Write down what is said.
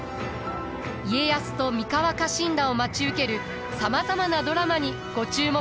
家康と三河家臣団を待ち受けるさまざまなドラマにご注目ください。